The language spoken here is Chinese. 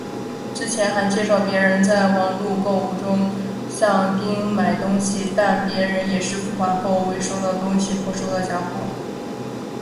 之前还介绍别人在网路购物中向丁买东西但别人也是付款后未收到东西或收到假货。